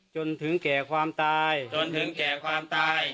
จนถึงแก่ความตาย